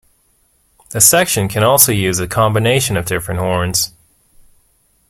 The section can also use a combination of different horns.